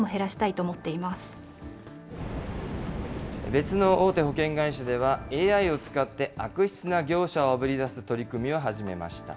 別の大手保険会社では、ＡＩを使って、悪質な業者をあぶり出す取り組みを始めました。